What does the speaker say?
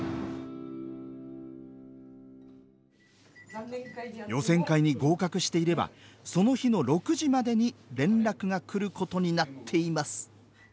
ホントもう予選会に合格していればその日の６時までに連絡がくることになっています。